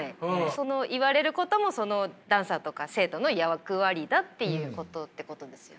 その言われることもダンサーとか生徒の役割だっていうことですよね。